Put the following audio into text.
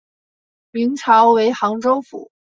明朝为杭州府。